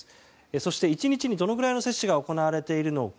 そして１日にどのくらいの接種が行われているのか。